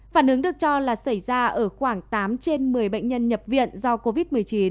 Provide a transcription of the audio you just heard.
phản ứng được cho là xảy ra ở khoảng tám trên một mươi bệnh nhân nhập viện do covid một mươi chín